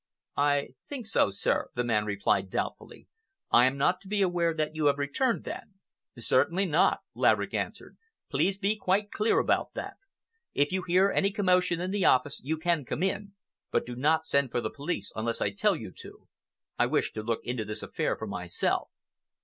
"I think so, sir," the man replied doubtfully. "I am not to be aware that you have returned, then?" "Certainly not," Laverick answered. "Please be quite clear about that. If you hear any commotion in the office, you can come in, but do not send for the police unless I tell you to. I wish to look into this affair for myself."